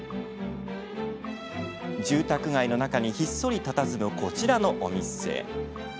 住宅街の中にひっそりたたずむこちらのお店。